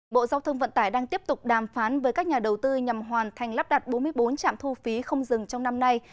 bộ giao thông vận tải đang tiếp tục đàm phán với các nhà đầu tư nhằm hoàn thành lắp đặt bốn mươi bốn trạm thu phí không dừng trong năm nay